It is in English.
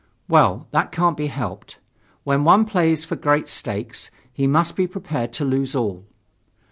"Well, that can't be helped. When one plays for great stakes, he must be prepared to lose all."